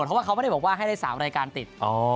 เพราะว่าเขาไม่ได้บอกว่าให้ได้๓รายการติด